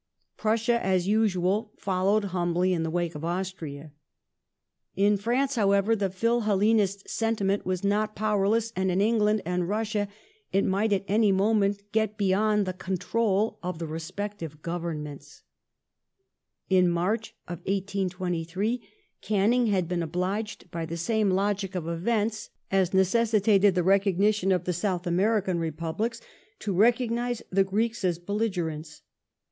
Prussia, as usual, followed humbly in the wake of Austria. In France, however, the Phil Hellenist sentiment was not power less, and in England and Russia it might at any moment get be /yond the control of the respective Governments, ^n March, 1823, Canning had been obliged, by the same logic of events as necessi tated the recognition of the Souths American Republics, to recog nize the Greeks as belligerents.